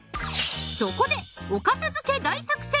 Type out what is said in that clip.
そこでお片づけ大作戦。